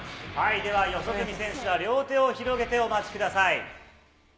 では四十住選手は両手を広げてお待ちください。